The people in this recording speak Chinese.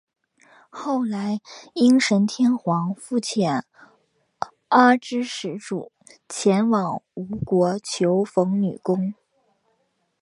后来应神天皇复遣阿知使主前往吴国求缝工女。